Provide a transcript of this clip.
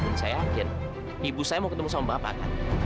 dan saya yakin ibu saya mau ketemu sama bapak